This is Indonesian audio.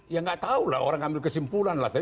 ya nggak tahu lah orang ambil kesimpulan lah